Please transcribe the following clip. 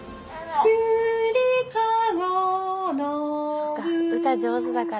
そっか歌上手だから。